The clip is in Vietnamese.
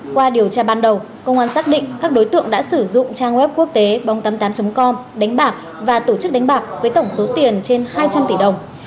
qua điều tra ban đầu công an xác định các đối tượng đã sử dụng trang web quốc tế bóng tám mươi tám com đánh bạc và tổ chức đánh bạc với tổng số tiền trên hai trăm linh tỷ đồng